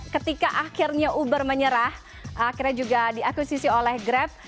ketika akhirnya uber menyerah akhirnya juga diakuisisi oleh grab